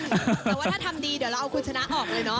แต่ว่าถ้าทำดีเดี๋ยวเราเอาคุณชนะออกเลยเนาะ